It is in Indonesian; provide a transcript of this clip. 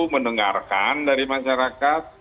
mendengarkan dari masyarakat